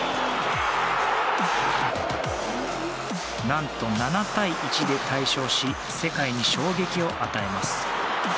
何と、７対１で大勝し世界に衝撃を与えます。